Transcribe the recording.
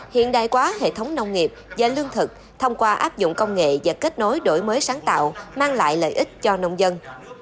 hiện đại quá hệ thống nông nghiệp và lương thực thông qua áp dụng công nghệ và kết nối đổi mới sáng tạo mang lại lợi ích cho nông dân